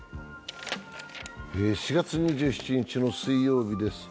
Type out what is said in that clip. ４月２７日の水曜日です。